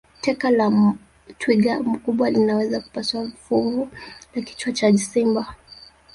teke la twiga mkubwa linaweza kupasua fuvu la kichwa cha simba